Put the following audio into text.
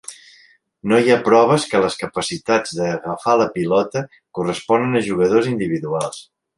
No hi ha proves que les capacitats de d'agafar la pilota corresponen a jugadors individuals.